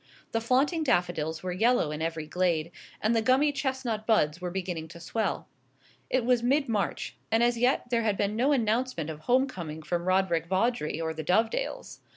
The flaunting daffodils were yellow in every glade, and the gummy chestnut buds were beginning to swell. It was mid March, and as yet there had been no announcement of home coming from Roderick Vawdrey or the Dovedales.